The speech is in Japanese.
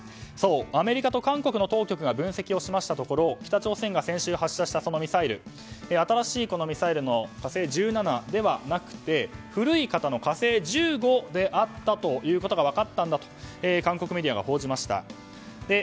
アメリカと韓国の当局が分析したところ北朝鮮が先週発射したミサイルは新しい「火星１７」ではなくて古い型の「火星１５」であったということが分かったんだと韓国メディアが報じました。